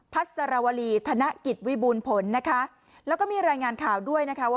ัสรวรีธนกิจวิบูรณ์ผลนะคะแล้วก็มีรายงานข่าวด้วยนะคะว่า